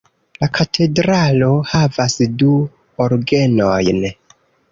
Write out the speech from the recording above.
La katedralo havas du orgenojn.